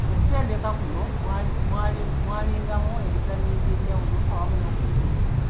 Mu kutendeka kuno mwalingamu n'emizannyo egy'enjawulo awamu n'okuyimba